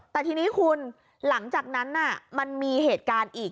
แต่ทีนี้คุณหลังจากนั้นมันมีเหตุการณ์อีก